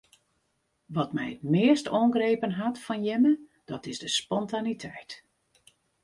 Wat my it meast oangrepen hat fan jimme dat is de spontaniteit.